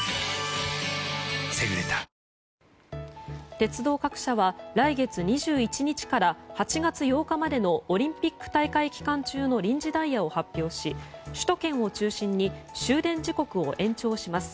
鉄道各社は来月２１日から８月８日までのオリンピック大会期間中の臨時ダイヤを発表し首都圏を中心に終電時刻を延長します。